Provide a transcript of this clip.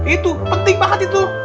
itu penting banget itu